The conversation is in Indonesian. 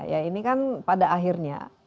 ya ini kan pada akhirnya